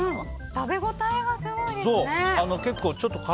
食べ応えがすごいですね。